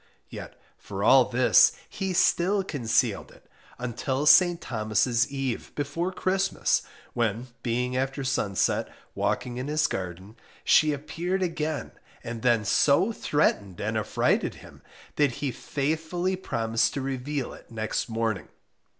Yet for all this, he still concealed it until St. Thomas' Eve, before Christmas, when, being after sunset, walking in his garden, she appeared again and then so threatened and affrighted him, that he faithfully promised to reveal it next morning.